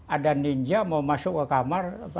ada ninja mau masuk ke kamar